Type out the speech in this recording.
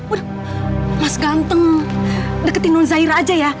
udah mas ganteng deketin nunzahira aja ya